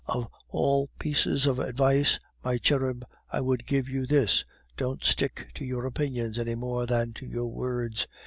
Of all pieces of advice, my cherub, I would give you this don't stick to your opinions any more than to your words.